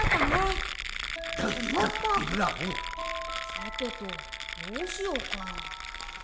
さてとどうしようか。